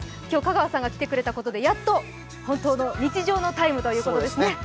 今日、香川さんが来てくれたことで、やっと本当の日常の「ＴＨＥＴＩＭＥ，」ということですね。